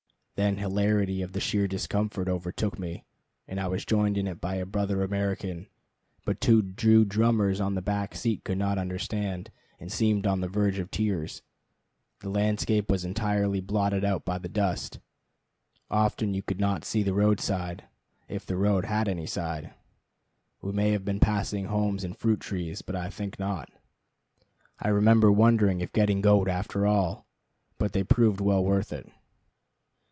Then hilarity at the sheer discomfort overtook me, and I was joined in it by a brother American; but two Jew drummers on the back seat could not understand, and seemed on the verge of tears. The landscape was entirely blotted out by the dust. Often you could not see the roadside, if the road had any side. We may have been passing homes and fruit trees, but I think not. I remember wondering if getting goat after all But they proved well worth it.